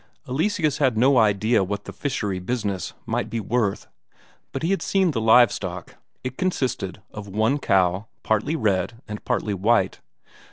Eleseus had no idea what the fishery business might be worth, but he had seen the live stock; it consisted of one cow, partly red and partly white.